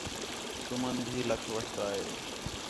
تُمن بھی لَکھ وَٹھتا ہِے